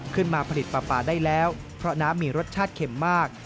ขึ้นมาผลิตปลาปลาได้แล้วเพราะน้ำมีรสชาติเข็มมาก